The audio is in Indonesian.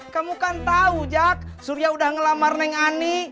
kamu kan tahu jak surya udah ngelamar neng ani